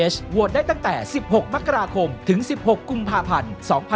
โหวตได้ตั้งแต่๑๖มกราคมถึง๑๖กุมภาพันธ์๒๕๖๒